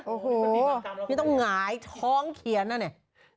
โอ้โหนี่ต้องหงายท้องเขียนนะเนี่ย